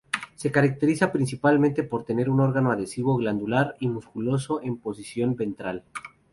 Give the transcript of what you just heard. Se caracterizan principalmente por tener un órgano adhesivo glandular y musculoso en posición ventral.